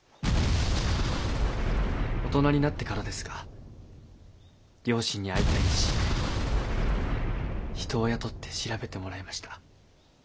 大人になってからですが両親に会いたい一心で人を雇って調べてもらいました。